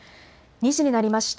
２時になりました。